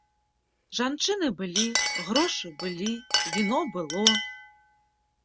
Жанчыны былі, грошы былі, віно было.